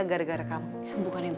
nah kalau kamu mau ke rumah